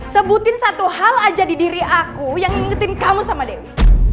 sebutin satu hal aja di diri aku yang ingetin kamu sama dewi